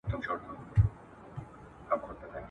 ایا بې ځایه غوښتنې نه منل کېږي.